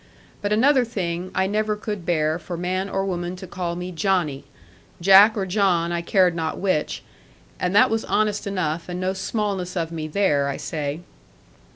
But another thing, I never could bear for man or woman to call me, 'Johnny,' 'Jack,' or 'John,' I cared not which; and that was honest enough, and no smallness of me there, I say.